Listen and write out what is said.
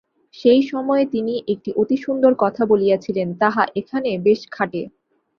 সেই সময়ে তিনি একটি অতি সুন্দর কথা বলিয়াছিলেন, তাহা এখানে বেশ খাটে।